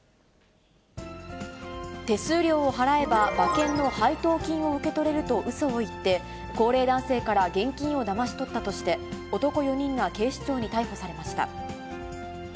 手数料を払えば、馬券の配当金を受け取れるとうそを言って、高齢男性から現金をだまし取ったとして、男４人が警視庁に逮捕されました。